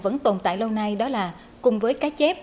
vẫn tồn tại lâu nay đó là cùng với cá chép